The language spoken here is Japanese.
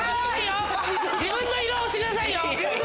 自分の色を押してくださいよ！